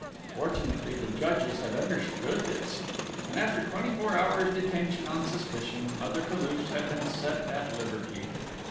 Fortunately, the judges had understood this, and after twenty four hours' detention on suspicion, Mother Toulouche had been set at liberty!